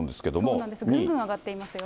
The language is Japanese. そうなんです、ぐんぐん上がっていますよ。